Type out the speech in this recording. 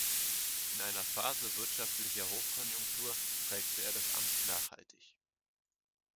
In einer Phase wirtschaftlicher Hochkonjunktur prägte er das Amt nachhaltig.